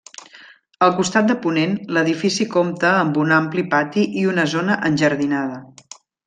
Al costat de ponent l'edifici compta amb un ampli pati i una zona enjardinada.